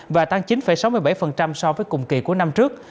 và tăng chín sáu mươi bảy so với cùng kỳ của năm trước